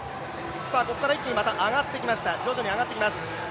ここから徐々に上がってきます。